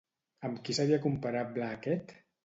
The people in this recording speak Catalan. Amb qui seria comparable aquest?